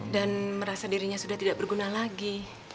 dan merasa dirinya sudah tidak berguna lagi